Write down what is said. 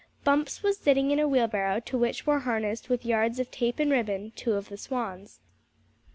Bumps was sitting in a wheelbarrow to which were harnessed with yards of tape and ribbon, two of the swans.